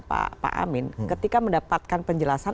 pak amin ketika mendapatkan penjelasan